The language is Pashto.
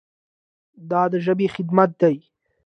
دا د ژبې خدمت دی.